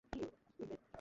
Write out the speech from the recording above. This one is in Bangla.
কিন্তু এতো বড় কথা লুকালে!